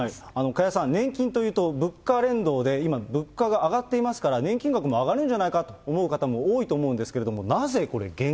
加谷さん、年金というと物価連動で今、物価が上がっていますから、年金額も上がるんじゃないかと思う方も多いと思うんですけ